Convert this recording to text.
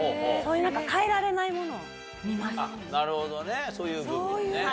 なるほどねそういう部分をね。